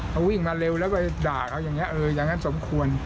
เค้าวิ่งมาเร็วเรายังไปด่าเค้าอย่างนี้เอออย่างนั้นสมควร